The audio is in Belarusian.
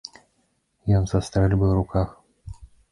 Ён са стрэльбай у руках.